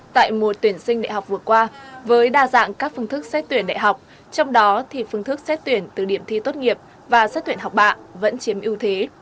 tại mùa tuyển sinh đại học vừa qua với đa dạng các phương thức xét tuyển đại học trong đó thì phương thức xét tuyển từ điểm thi tốt nghiệp và xét tuyển học bạ vẫn chiếm ưu thế